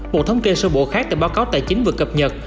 một thống kê sơ bộ khác từ báo cáo tài chính vừa cập nhật